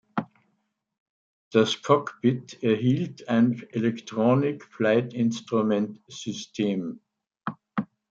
Das Cockpit erhielt ein Electronic Flight Instrument System.